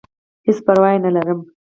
هېڅ پرواه ئې نۀ لرم -